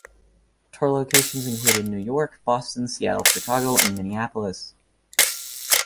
Tour locations included New York, Boston, Seattle, Chicago, and Minneapolis.